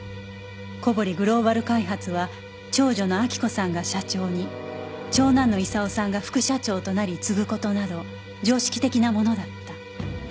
小堀グローバル開発は長女の明子さんが社長に長男の功さんが副社長となり継ぐ事など常識的なものだった